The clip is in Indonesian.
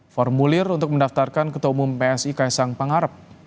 formulir untuk mendaftarkan ketumum psi kaisang pangarap